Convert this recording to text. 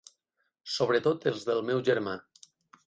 Sobretot els del meu germà.